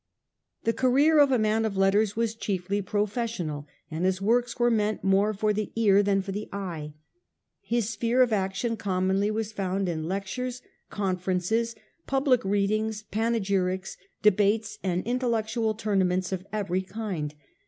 The career of a man of letters was chiefly professorial, and his works were meant more for the ear than for the and pro sphere of action commonly was fcssoriai. found in lectures, conferences, public readings, panegyrics, debates, and intellectual tournaments of every kind.